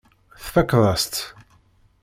Tfakkeḍ-as-tt.